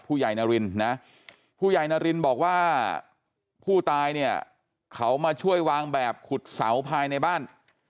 นายนารินนะผู้ใหญ่นารินบอกว่าผู้ตายเนี่ยเขามาช่วยวางแบบขุดเสาภายในบ้าน